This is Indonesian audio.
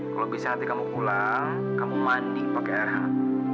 kalau bisa hati kamu pulang kamu mandi pakai air hang